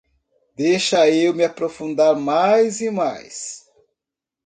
Deixa eu me aprofundar mais e mais